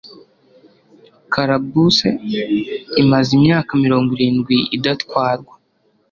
calaboose imaze imyaka mirongo irindwi idatwarwa